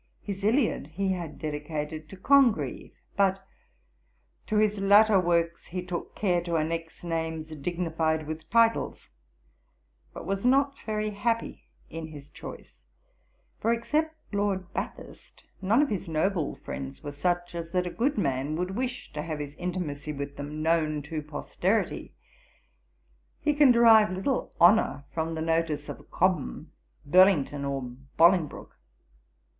His Iliad he had dedicated to Congreve, but 'to his latter works he took care to annex names dignified with titles, but was not very happy in his choice; for, except Lord Bathurst, none of his noble friends were such as that a good man would wish to have his intimacy with them known to posterity; he can derive little honour from the notice of Cobham, Burlington, or Bolingbroke.'